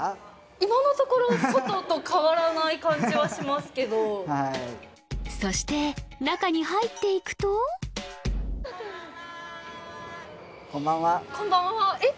今のところ外と変わらない感じはしますけどそして中に入っていくとこんばんはえっ？